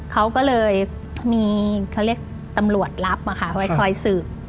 เขาก็เลยมีเขาเรียกตำรวจรับมาค่ะไว้คอยสืบ